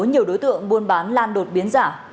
nhiều đối tượng mua bán lan đột biến giả